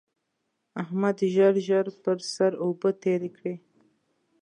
احمد ژر ژر پر سر اوبه تېرې کړې.